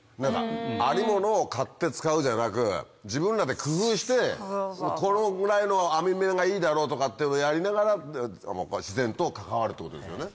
ありものを買って使うじゃなく自分らで工夫してこのぐらいの網目がいいだろうとかっていうのをやりながら自然と関わるってことですよね。